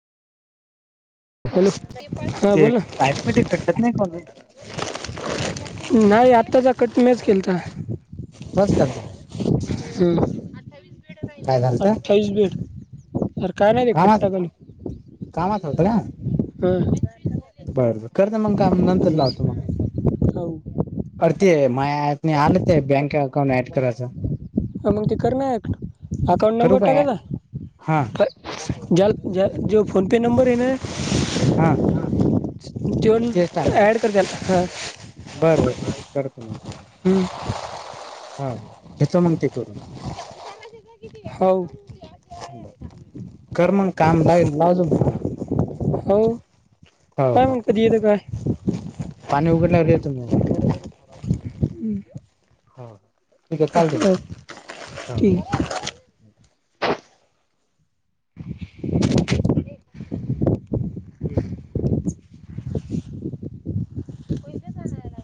Hello, हा ते बोल ना. ऑटोमॅटिक कटत नाही कॉल नाही आत्ताचा कट म्याच केलता. फर्स्ट टाइमचा. हां अठ्ठावीस बेड. अरे काय नाही रे खत कामात टाकाईलोय, ह. बर बर करजा मग काम नंतर लावतो मग. हो अरे ते माह्या ऍप ने आलं ते बँक अकाऊंट ऍड करायचं. अरे मग ते कर ना ऍक्ट, अकाऊंट करू नंबर का टाकायचा, हा फ जाल जाल जो फोनपे नंबर हे ना. हा. त्योन, तेच टाकायचं ॲड कर त्याला, ह. बरं बरं ठीके करतो मग त्याला, हा घेतो मग ते करून. हाव. बरं, कर मग काम लाईन लावजू [unintelligible] हो., हो काय हो मग कधी येत काय? पाणी उघडल्यावर येतो मी. हम्म. हा, ठीके चालते म, हो, ठीक ह हा. आहे